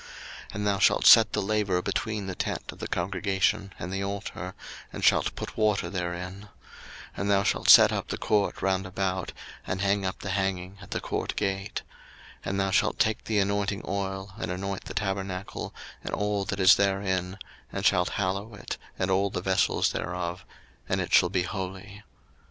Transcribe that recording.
02:040:007 And thou shalt set the laver between the tent of the congregation and the altar, and shalt put water therein. 02:040:008 And thou shalt set up the court round about, and hang up the hanging at the court gate. 02:040:009 And thou shalt take the anointing oil, and anoint the tabernacle, and all that is therein, and shalt hallow it, and all the vessels thereof: and it shall be holy.